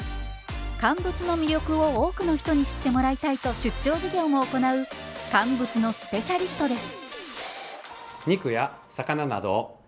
乾物の魅力を多くの人に知ってもらいたいと出張授業も行う乾物のスペシャリストです。